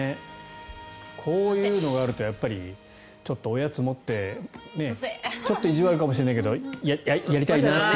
こういうのがあるとやっぱり、おやつを持ってちょっといじわるかもしれないけどやりたいなって。